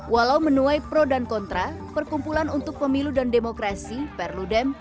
walau menuai pro dan kontra perkumpulan untuk pemilu dan demokrasi perludem